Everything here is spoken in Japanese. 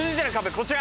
こちら。